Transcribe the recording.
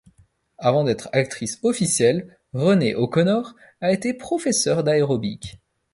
Avant d'être actrice officielle, Renée O'Connor a été professeur d'aérobic.